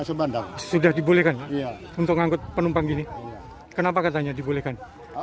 sudah dibolehkan untuk mengangkut penumpang gini kenapa katanya dibolehkan